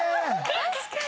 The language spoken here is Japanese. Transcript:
確かに！